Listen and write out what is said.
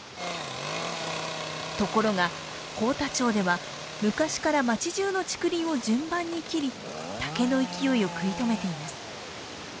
ところが幸田町では昔から町じゅうの竹林を順番に切り竹の勢いを食い止めています。